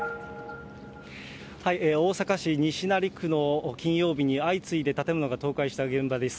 大阪市西成区の金曜日に相次いで建物が倒壊した現場です。